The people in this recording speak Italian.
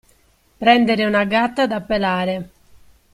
Prendere una gatta da pelare.